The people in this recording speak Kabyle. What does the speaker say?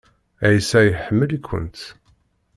Ɛisa iḥemmel-ikent.